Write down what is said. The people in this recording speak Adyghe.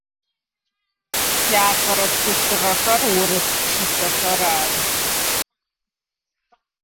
Сиапэрэ тхылъыгъэхэр урыс пшысэхэр ары.